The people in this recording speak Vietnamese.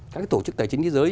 các tổ chức tài chính thế giới